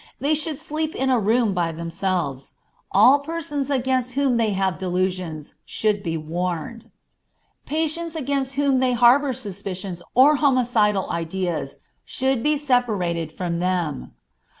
They should sleep in a room by themselves. All persons against whom they have delusions should be warned. Patients against whom they harbor suspicious or homicidal ideas should be separated from them.